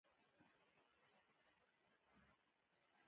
ښارونه د افغانستان یو ډول طبعي ثروت دی.